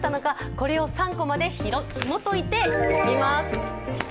これを３コマでひもといていきます